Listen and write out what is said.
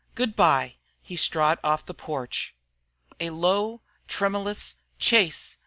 Good bye!" He strode off the porch. A low, tremulous "Chase!"